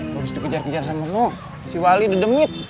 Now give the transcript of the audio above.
gue abis itu kejar kejar sama kamu si wali dedemit